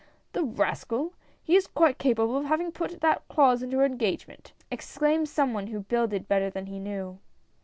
" The rascal ! he is quite capable of having put that clause into her engagement !" exclaimed some one who builded better than he knew.